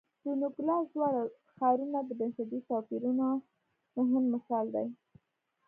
د نوګالس دواړه ښارونه د بنسټي توپیرونو مهم مثال دی.